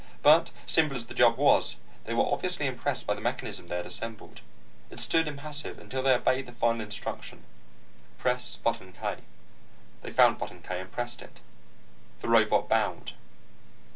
But simple as the job was, they were obviously impressed by the mechanism they had assembled. It stood impassive until they obeyed the final instruction. "Press Button K ..." They found button K, and pressed it. The robot bowed.